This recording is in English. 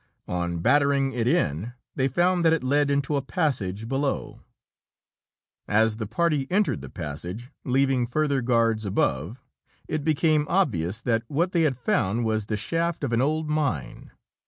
On battering it in, they found that it led into a passage below. As the party entered the passage, leaving further guards above, it became obvious that what they had found was the shaft of an old mine.